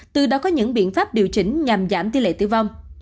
từ đó có những biện pháp điều chỉnh nhằm giảm tỷ lệ tử vong